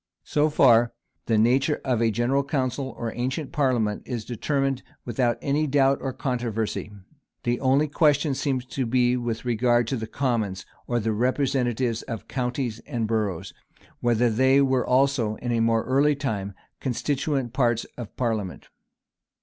So far the nature of a general council or ancient parliament is determined without any doubt or controversy, The only question seems to be with regard to the commons, or the representatives of counties and boroughs; whether they were also, in more early times, constituent parts of parliament.